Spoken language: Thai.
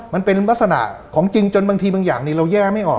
มันเป็นลักษณะของจริงจนบางทีบางอย่างเราแย่ไม่ออก